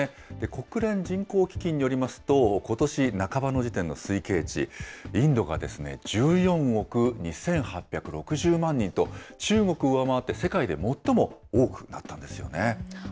国連人口基金によりますと、ことし半ばの時点の推計値、インドが１４億２８６０万人と、中国を上回って、世界で最も多くなったんですよね。